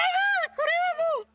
これはもう。